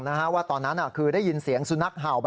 ต่อเห็นล้อหมาหมาเลี้ยงกลับ